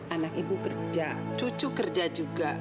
anak ibu kerja cucu kerja juga